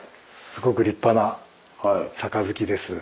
すごく立派な杯です。